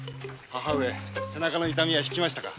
母上背中の痛みはひきましたか。